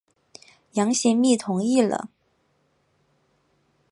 杨行密同意了。